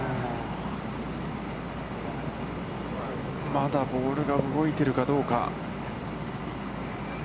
まだボールが動いているかどうか。